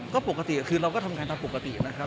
ก็ปกติคือเราก็ทำงานตามปกตินะครับ